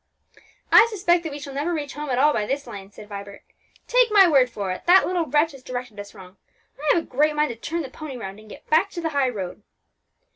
"I suspect that we shall never reach home at all by this lane," said Vibert. "Take my word for it, that little wretch has directed us wrong; I have a great mind to turn the pony round, and get back to the high road."